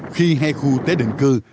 khi hai khu tế định cư